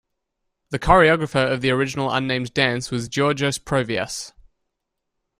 The choreographer of the original unnamed dance was Giorgos Provias.